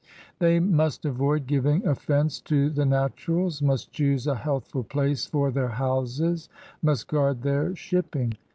'' They must avoid giving offense to the ^^ naturals'' — must choose a healthful place for their houses — must guard their shipping.